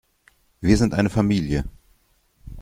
Wir sind eine Familie.